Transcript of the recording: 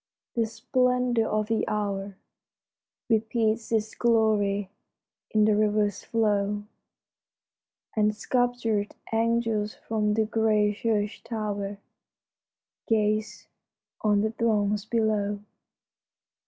The splendor of the hour Repeats its glory in the river's flow; And sculptured angels from the gray church tower Gaze on the throngs below.